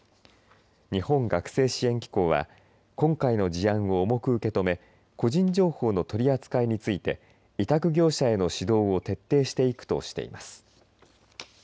日本学生支援機構は今回の事案を重く受け止め個人情報の取り扱いについて委託業者への指導を徹底していくとしています。